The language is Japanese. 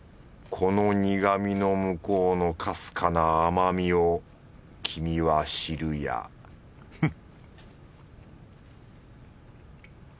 この苦みの向こうのかすかな甘みをキミは知るやフッ